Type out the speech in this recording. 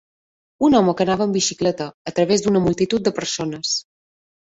Un home que anava amb bicicleta a través d'una multitud de persones.